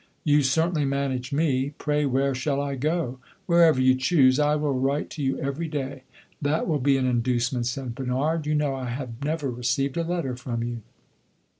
"You certainly manage me! Pray, where shall I go?" "Wherever you choose. I will write to you every day." "That will be an inducement," said Bernard. "You know I have never received a letter from you."